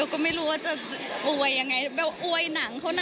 ก็ไม่รู้ว่าจะอวยยังไงเบลอวยหนังเขาน่ะ